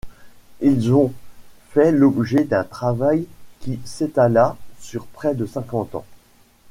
Ils ont fait l'objet d'un travail qui s'étala sur près de cinquante ans.